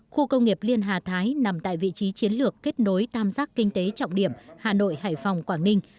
khu công nghiệp liên hà thái nằm tại vị trí chiến lược kết nối tam giác kinh tế trọng điểm hà nội hải phòng quảng ninh